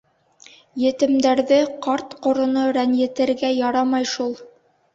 Етемдәрҙе, ҡарт-ҡороно рәнйетергә ярамай шул.